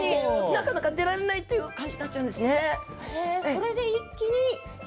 なかなか出られないっていう感じになっちゃうんですね。